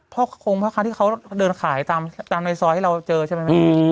เพราะคงเพราะครั้งที่เขาเดินขายตามในซ้อยที่เราเจอใช่ไหม